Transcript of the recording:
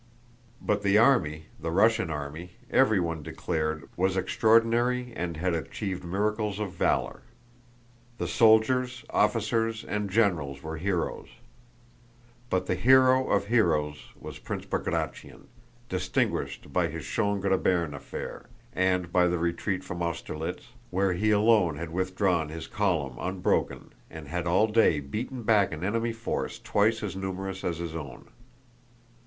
But the army, the Russian army, everyone declared, was extraordinary and had achieved miracles of valor. The soldiers, officers, and generals were heroes. But the hero of heroes was Prince Bagratión, distinguished by his Schön Grabern affair and by the retreat from Austerlitz, where he alone had withdrawn his column unbroken and had all day beaten back an enemy force twice as numerous as his own.